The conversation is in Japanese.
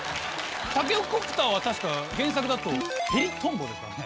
タケコプターは確か原作だとヘリトンボですからね。